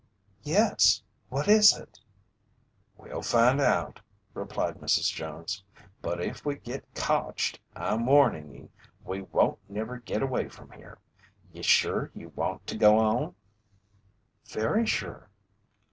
"Yes, what is it?" "We'll find out," replied Mrs. Jones. "But if we git cotched, I'm warnin' ye we won't never git away from here. Ye sure ye want to go on?" "Very sure."